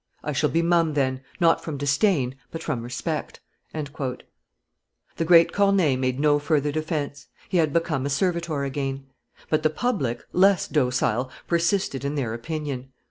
I shall be mum, then, not from disdain, but from respect." The great Corneille made no further defence he had become a servitor again; but the public, less docile, persisted in their opinion.